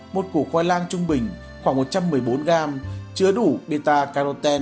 một củ khoai lang trung bình khoảng một trăm một mươi bốn gram chứa đủ beta carotene